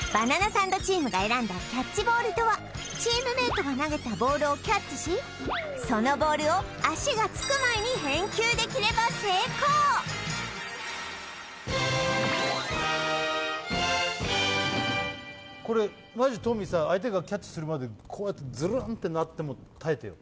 サンドチームが選んだキャッチボールとはチームメイトが投げたボールをキャッチしそのボールを足がつく前に返球できれば成功マジトミーさ相手がキャッチするまでこうやってズルンってなっても耐えてよ